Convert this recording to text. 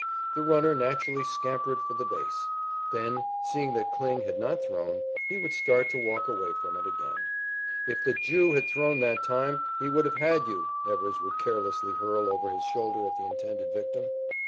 The runner naturally scampered for the base. Then, seeing that Kling had not thrown, he would start to walk away from it again. "If the Jew had thrown that time, he would have had you," Evers would carelessly hurl over his shoulder at the intended victim.